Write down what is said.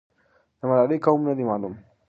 د ملالۍ قوم نه دی معلوم.